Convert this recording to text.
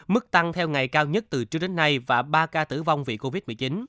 mức tăng theo ngày cao nhất từ trước đến nay và ba ca tử vong vì covid một mươi chín